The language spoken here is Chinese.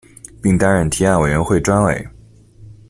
并担任提案委员会专委。